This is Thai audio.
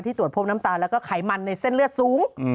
ตรวจพบน้ำตาลแล้วก็ไขมันในเส้นเลือดสูง